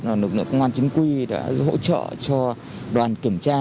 nội công an chính quy đã hỗ trợ cho đoàn kiểm tra